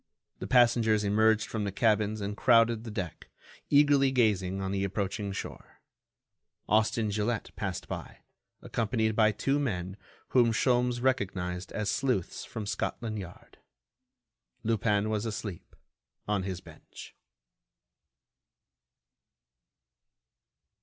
The passengers emerged from the cabins and crowded the deck, eagerly gazing on the approaching shore. Austin Gilette passed by, accompanied by two men whom Sholmes recognized as sleuths from Scotland Yard. Lupin was asleep, on his bench.